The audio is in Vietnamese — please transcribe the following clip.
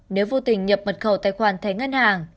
nếu vô tình nhập mật khẩu tài khoản thẻ ngân hàng